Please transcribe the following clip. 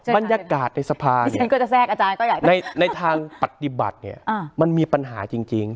บรรยากาศในสภาในทางปฏิบัติเนี่ยมันมีปัญหาจริง